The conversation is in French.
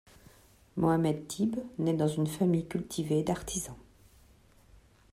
Mohammed Dib naît dans une famille cultivée d'artisans.